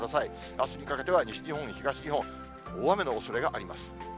あすにかけては西日本、東日本、大雨のおそれがあります。